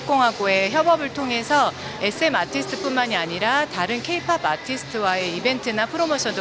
kami juga menyiapkan pandemik yang berlaku di dalam hari hari